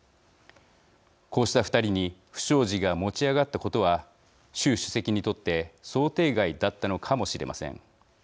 こうした２人に不祥事が持ち上がったことは習主席にとって想定外だったのかもしれません。